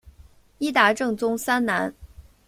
伊达政宗三男。